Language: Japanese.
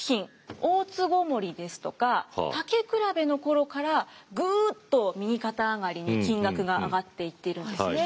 「大つごもり」ですとか「たけくらべ」の頃からぐっと右肩上がりに金額が上がっていってるんですね。